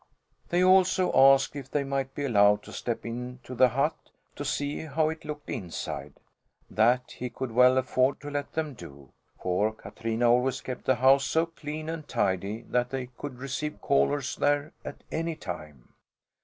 They also asked if they might be allowed to step into the hut, to see how it looked inside. That he could well afford to let them do, for Katrina always kept the house so clean and tidy that they could receive callers there at any time.